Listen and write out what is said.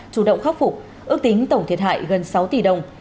chủ động khắc phục ước tính tổng thiệt hại gần sáu tỷ đồng